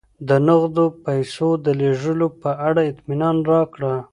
د نغدو پیسو د لېږلو په اړه اطمینان راکړه.